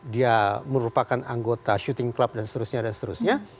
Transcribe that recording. dia merupakan anggota syuting klub dan seterusnya